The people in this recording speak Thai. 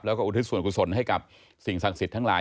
แล้วก็อุทิศส่วนกุศลให้กับสิ่งศักดิ์สิทธิ์ทั้งหลาย